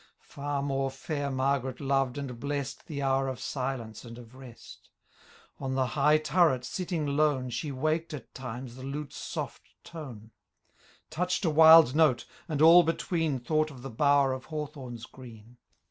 Far more fair Margaret loved and bless'd The hour of silence and of rest On the high turret sitting lone. She waked at times the lute's soft tone ; Touch'd a wild note, and all between Thought of the bower of hawthorns green.